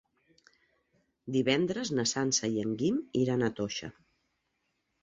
Divendres na Sança i en Guim iran a Toixa.